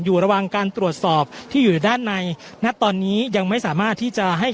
อยู่ระหว่างการตรวจสอบที่อยู่ด้านในณตอนนี้ยังไม่สามารถที่จะให้